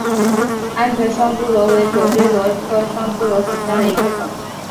鹌鹑双珠螺为左锥螺科双珠螺属下的一个种。